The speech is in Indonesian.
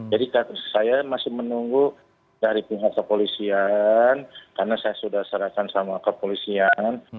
jadi saya masih menunggu dari pihak kepolisian karena saya sudah serahkan sama kepolisian